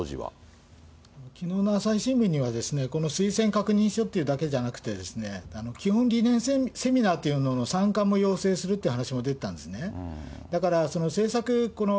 きのうの朝日新聞には、この推薦確認書っていうだけじゃなくてですね、基本ぎれんセミナーというものの参加も要請するという話も出てたんですね。